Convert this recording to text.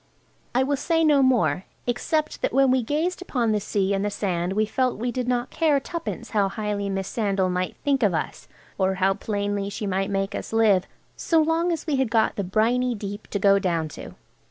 I will say no more, except that when we gazed upon the sea and the sand we felt we did not care tuppence how highly Miss Sandal might think of us or how plainly she might make us live, so long as we had got the briny deep to go down to.